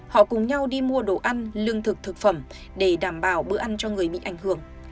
họ cùng nhau đi mua đồ ăn lương thực thực phẩm để đảm bảo bữa ăn cho người bị ảnh hưởng